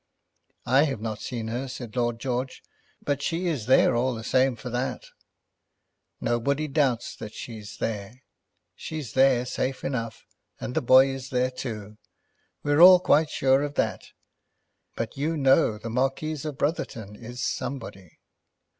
"I have not seen her," said Lord George; "but she is there all the same for that." "Nobody doubts that she's there. She's there, safe enough. And the boy is there too. We're all quite sure of that. But you know the Marquis of Brotherton is somebody."